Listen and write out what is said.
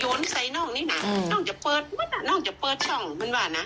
โยนใส่นอกนี่น่ะอืมนอกจะเปิดมันอ่ะนอกจะเปิดช่องมันว่านะ